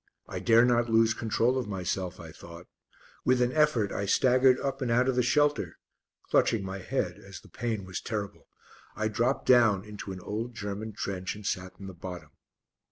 I dare not lose control of myself, I thought; with an effort I staggered up and out of the shelter, clutching my head as the pain was terrible. I dropped down into an old German trench and sat in the bottom.